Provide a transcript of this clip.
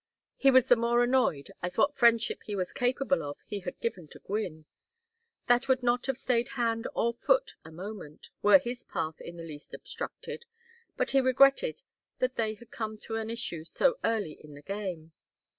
He was the more annoyed, as what friendship he was capable of he had given to Gwynne. That would not have stayed hand or foot a moment, were his path in the least obstructed, but he regretted that they had come to an issue so early in the game.